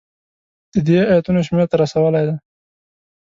د دې ایتونو شمېر ته رسولی دی.